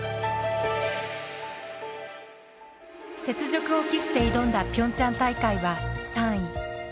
雪辱を期して挑んだピョンチャン大会は３位。